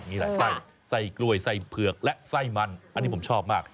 มีหลายไส้ใส่กล้วยใส่เผือกและไส้มันอันนี้ผมชอบมาก